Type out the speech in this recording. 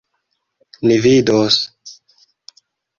Ni vidos!